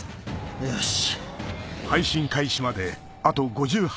よし。